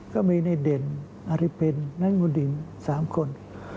ก็มีในเด่นอาริเป็นนักมนดิน๓คน